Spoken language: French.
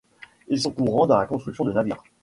Ils sont courant dans la construction de navires.